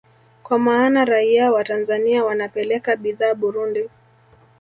Kwa maana raia wa Tanzania wanapeleka bidhaa Burundi